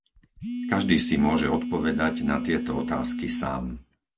Každý si môže odpovedať na tieto otázky sám.